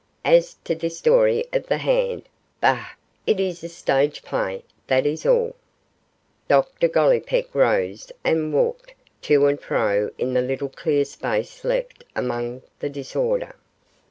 As to this story of the hand, bah! it is a stage play, that is all!' Dr Gollipeck rose and walked to and fro in the little clear space left among the disorder.